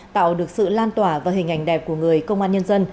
tạo được sự lan tỏa và hình ảnh đẹp của người công an nhân dân